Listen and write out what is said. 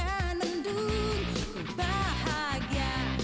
sampai jumpa lagi